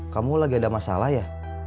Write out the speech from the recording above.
kamu lagi ada masalah ya